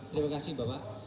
terima kasih bapak